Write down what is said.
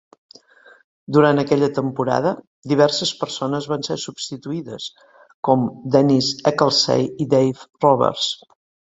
Durant aquella temporada, diverses persones van ser substituïdes, com Dennis Eckersley i Dave Roberts.